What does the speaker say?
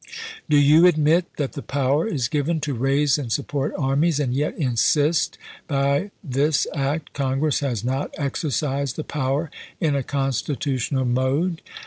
Do you admit that the power is given to raise and support armies, and yet insist that by this act Congress has not exercised the power in a constitutional mode